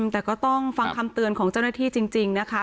แต่ก็ต้องฟังคำเตือนของเจ้าหน้าที่จริงนะคะ